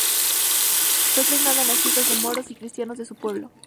Fue estrenada en las fiestas de Moros y Cristianos de su pueblo.